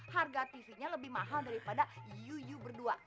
harga tv nya lebih mahal daripada euu berdua